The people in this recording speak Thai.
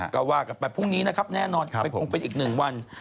ก็ว่ากันไปพรุ่งนี้นะครับแน่นอนคงเป็นอีกหนึ่งวัน